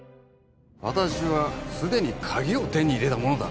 「私はすでに鍵を手に入れた者だ」？